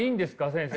先生。